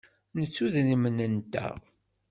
Nettu idrimen-nteɣ.